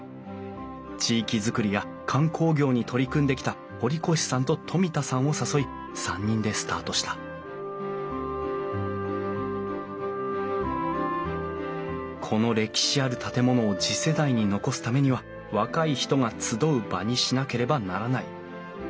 地域づくりや観光業に取り組んできた堀越さんと冨田さんを誘い３人でスタートしたこの歴史ある建物を次世代に残すためには若い人が集う場にしなければならない。